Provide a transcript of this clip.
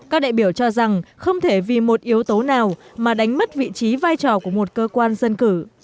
các đại biểu cho rằng không thể vì một yếu tố nào mà đánh mất vị trí vai trò của một cơ quan dân cử